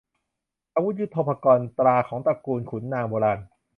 อาวุธยุทโธปกรณ์ ตราของตระกูลขุนนางโบราณ